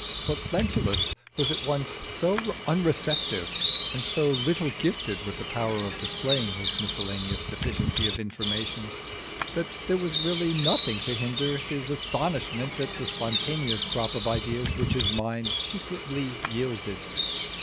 But Lentulus was at once so unreceptive, and so little gifted with the power of displaying his miscellaneous deficiency of information, that there was really nothing to hinder his astonishment at the spontaneous crop of ideas which his mind secretly yielded.